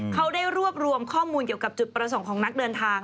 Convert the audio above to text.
เขาได้รวบรวมข้อมูลเกี่ยวกับจุดประสงค์ของนักเดินทาง